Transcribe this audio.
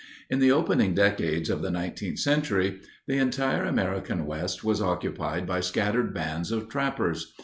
In the opening decades of the nineteenth century the entire American West was occupied by scattered bands of trappers.